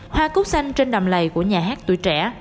hoa cúc xanh trên đầm lầy của nhà hát tuổi trẻ